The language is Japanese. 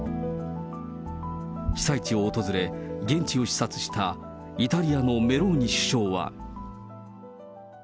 被災地を訪れ、現地を視察したイタリアのメローニ首相は。